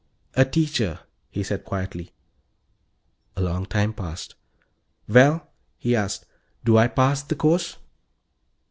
"A teacher," he said quietly. A long time passed. "Well," he asked, "do I pass the course?"